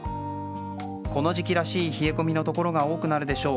この時期らしい冷え込みのところが多くなるでしょう。